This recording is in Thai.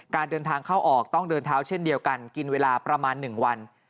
การเดินทางเข้าออกต้องเดินเท้าเช่นเดียวกันกินเวลาประมาณ๑วัน